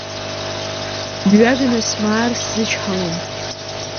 Бҩаганы смаар сзычҳауам.